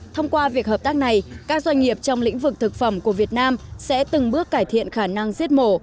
thông qua việc hợp tác này các doanh nghiệp trong lĩnh vực thực phẩm của việt nam sẽ từng bước cải thiện khả năng giết mổ